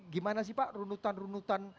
gimana sih pak runutan runutan